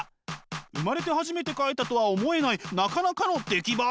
生まれて初めて描いたとは思えないなかなかの出来栄え。